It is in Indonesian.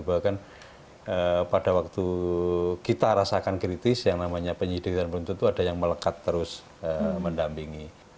bahwa kan pada waktu kita rasakan kritis yang namanya penyidik dan penuntut itu ada yang melekat terus mendampingi